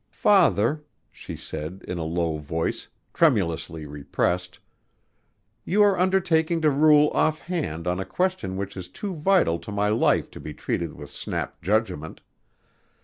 "Father," she said in a low voice, tremulously repressed, "you are undertaking to rule offhand on a question which is too vital to my life to be treated with snap judgment.